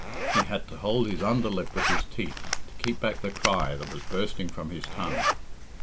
He had to hold his under lip with his teeth to keep back the cry that was bursting from his tongue.